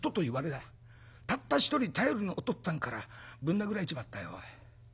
たった一人頼りのお父っつぁんからぶん殴られちまったよおい。